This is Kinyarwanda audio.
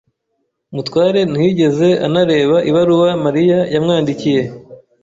Mutware ntiyigeze anareba ibaruwa Mariya yamwandikiye.